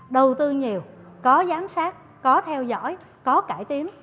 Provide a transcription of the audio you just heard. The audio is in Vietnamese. đầu tư nhiều có giám sát có theo dõi có cải tiến